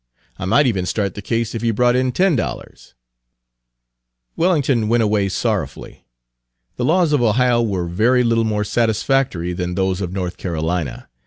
I might even start the case if you brought in ten dollars." Page 255 Wellington went away sorrowfully. The laws of Ohio were very little more satisfactory than those of North Carolina.